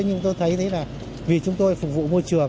nhưng tôi thấy là vì chúng tôi phục vụ môi trường